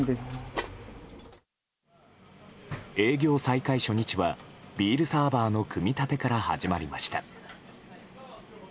営業再開初日はビールサーバーの組み立てから始まりました。